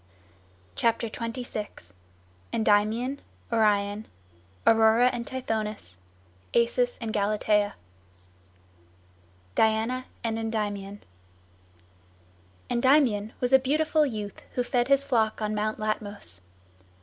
CHAPTER XXVI ENDYMION ORION AURORA AND TITHONUS ACIS AND GALATEA DIANA AND ENDYMION Endymion was a beautiful youth who fed his flock on Mount Latmos.